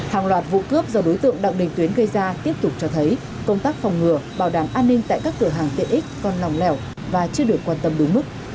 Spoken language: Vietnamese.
hàng loạt vụ cướp do đối tượng đặng đình tuyến gây ra tiếp tục cho thấy công tác phòng ngừa bảo đảm an ninh tại các cửa hàng tiện ích còn lòng lẻo và chưa được quan tâm đúng mức